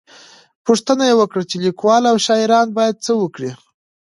_پوښتنه يې وکړه چې ليکوال او شاعران بايد څه وکړي؟